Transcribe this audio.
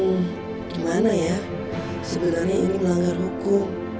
gimana ya sebenarnya ini melanggar hukum